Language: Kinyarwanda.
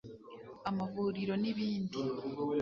amavuriro n’ibindi